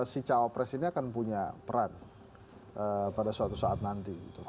si cawapres ini akan punya peran pada suatu saat nanti